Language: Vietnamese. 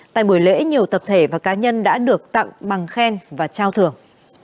tại buổi lễ nhiều tập thể và cá nhân đã được tặng bằng khen và trao thưởng